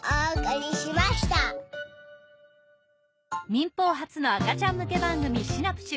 民放初の赤ちゃん向け番組『シナぷしゅ』。